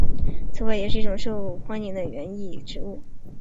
此外也是一种受欢迎的园艺植物。